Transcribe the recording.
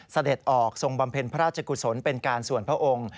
เสด็จออกทรงบำเพ็ญพระราชกุศลเป็นการส่วนพระองค์